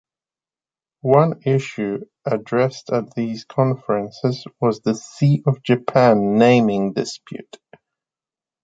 One issue addressed at these conferences was the Sea of Japan naming dispute.